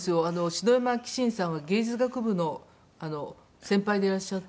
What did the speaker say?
篠山紀信さんは芸術学部の先輩でいらっしゃって。